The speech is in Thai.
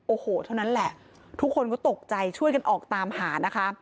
โอ้โหเท่านั้นแหละทุกคนก็ตกใจช่วยกันออกตามหานะคะ